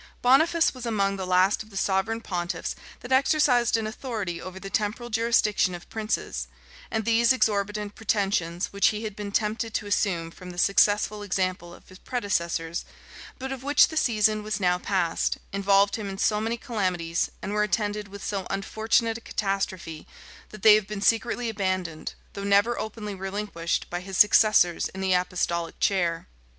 {1298.} Boniface was among the last of the sovereign pontiffs that exercised an authority over the temporal jurisdiction of princes; and these exorbitant pretensions, which he had been tempted to assume from the successful example of his predecessors, but of which the season was now past, involved him in so many calamities, and were attended with so unfortunate a catastrophe, that they have been secretly abandoned, though never openly relinquished, by his successors in the apostolic chair.